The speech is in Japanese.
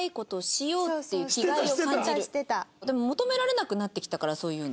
でも求められなくなってきたからそういうの。